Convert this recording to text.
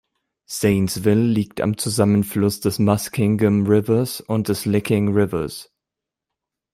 Zanesville liegt am Zusammenfluss des Muskingum Rivers und des Licking Rivers.